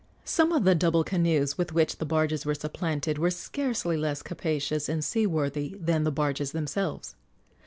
Some of the double canoes with which the barges were supplanted were scarcely less capacious and seaworthy than the barges themselves.